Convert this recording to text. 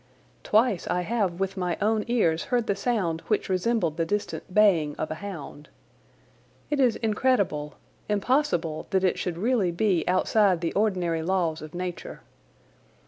Twice I have with my own ears heard the sound which resembled the distant baying of a hound. It is incredible, impossible, that it should really be outside the ordinary laws of nature.